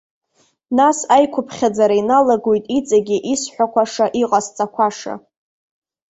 Нас аиқәыԥхьаӡара иналагоит иҵегьы исҳәақәаша, иҟасҵақәаша.